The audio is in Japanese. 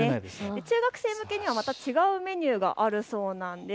中学生向けにはまた違うメニューがあるそうなんです。